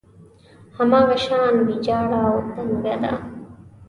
هماغه شان ويجاړه او تنګه ده.